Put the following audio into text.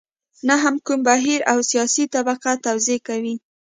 نه هم کوم بهیر او سیاسي طبقه توضیح کوي.